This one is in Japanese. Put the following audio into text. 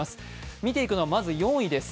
見ていくのはまず４位です。